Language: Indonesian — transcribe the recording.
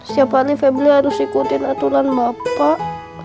siapa aneh febri harus ikutin aturan bapak